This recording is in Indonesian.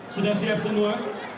sudah siap semua